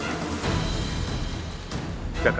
dia tidak bisa menerima kenyataan yang sesungguhnya